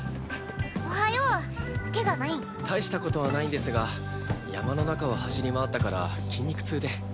大したことはないんですが山の中を走り回ったから筋肉痛で。